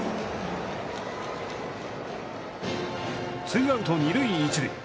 ツーアウト、二塁一塁。